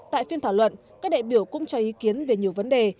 tại phiên thảo luận các đại biểu cũng cho ý kiến về nhiều vấn đề